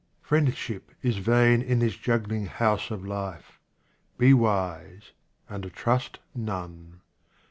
Friendship is vain in this juggling house of life ; be wise and trust none.